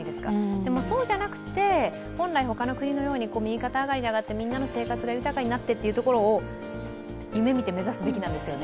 でもそうじゃなくて、本来、他の国のように右肩上がりで上がってみんなの生活が豊かになってというところを夢見て目指すべきなんですよね。